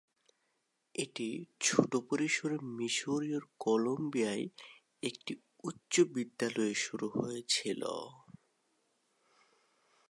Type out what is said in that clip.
এটি ছোট পরিসরে মিসৌরির কলম্বিয়ার একটি উচ্চ বিদ্যালয়ে শুরু হয়েছিল।